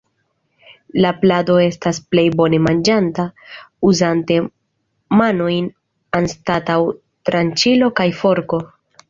La plado estas plej bone manĝata uzante manojn anstataŭ tranĉilo kaj forko.